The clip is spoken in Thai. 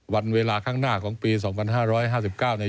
วันเวลาข้างหน้าของปีสองพันห้าร้อยห้าสิบเก้าเนี่ย